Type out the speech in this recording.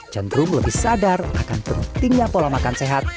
cenderung lebih sadar akan pentingnya pola makan sehat